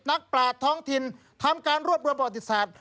นักปราศท้องถิ่นทำการรวบรวมอธิษฐศาสตร์